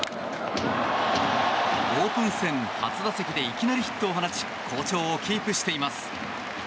オープン戦初打席でいきなりヒットを放ち好調をキープしています。